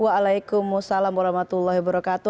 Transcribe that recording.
waalaikumsalam warahmatullahi wabarakatuh